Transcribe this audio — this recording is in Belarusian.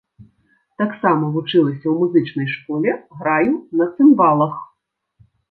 Таксама вучылася ў музычнай школе, граю на цымбалах.